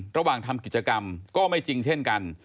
ระหว่างทำกิจกรรมก็ไม่จริงเช่นกัน